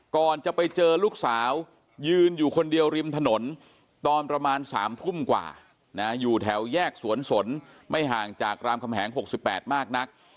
ก่อนจะไปเจอลูกสาวยืนอยู่คนเดียวริมถนนตอนประมาณ๓ทุ่มกว่าอยู่แถวแยกสวนสนไม่ห่างจากรามคำแหง๖๘มากนัก